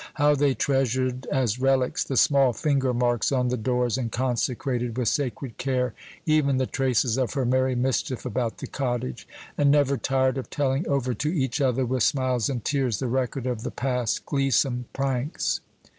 How they treasured, as relics, the small finger marks on the doors, and consecrated with sacred care even the traces of her merry mischief about the cottage, and never tired of telling over to each other, with smiles and tears, the record of the past gleesome pranks!